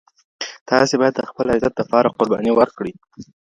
تاسي باید د خپل عزت دپاره قرباني ورکړئ.